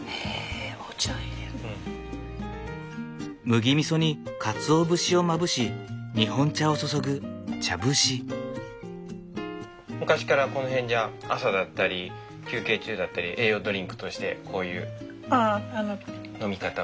麦みそにかつお節をまぶし日本茶を注ぐ昔からこの辺じゃ朝だったり休憩中だったり栄養ドリンクとしてこういう飲み方を。